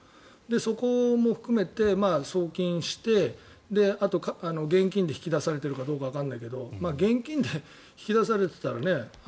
そこも含めて送金してあと、現金で引き出されているかどうかわからないけど現金で引き出されていたらね